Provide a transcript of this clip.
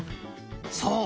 そう！